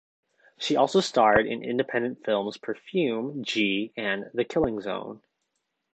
She also starred in independent films "Perfume", "G" and "The Killing Zone".